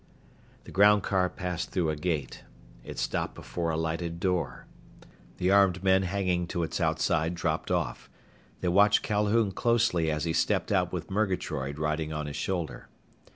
The groundcar passed through a gate. It stopped before a lighted door. The armed men hanging to its outside dropped off. They watched Calhoun closely as he stepped out with Murgatroyd riding on his shoulder.